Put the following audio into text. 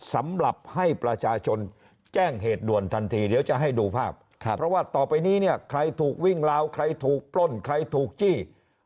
สำหรับให้ประชาชนแจ้งเหตุด่วนทันทีเดี๋ยวจะให้ดูภาพเพราะว่าต่อไปนี้เนี่ยใครถูกวิ่งราวใครถูกปล้นใครถูกจี้